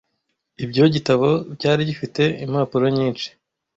Ibyo gitabo cyari gifite impapuro nyinshi.